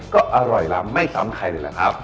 ก็อร่อยล้ำไม่ซ้ำใครเลยแหละครับ